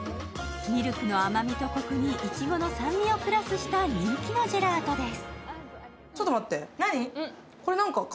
ミルクの甘みとコクにいちごの酸味をプラスした人気のジェラートです。